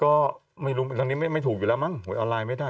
ก็ไม่รู้ตอนนี้ไม่ถูกอยู่แล้วมั้งหวยออนไลน์ไม่ได้